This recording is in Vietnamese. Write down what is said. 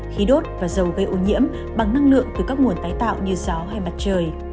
khí đốt và dầu gây ô nhiễm bằng năng lượng từ các nguồn tái tạo như gió hay mặt trời